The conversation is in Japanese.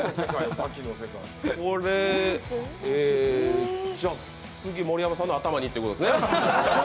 これ、次、盛山さんの頭にってことですね。